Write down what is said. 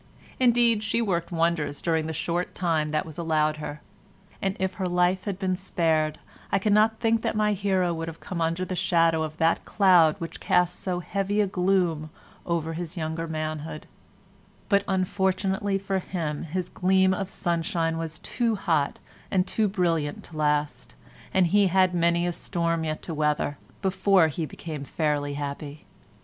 Indeed she worked wonders during the short time that was allowed her, and if her life had been spared I cannot think that my hero would have come under the shadow of that cloud which cast so heavy a gloom over his younger manhood; but unfortunately for him his gleam of sunshine was too hot and too brilliant to last, and he had many a storm yet to weather, before he became fairly happy.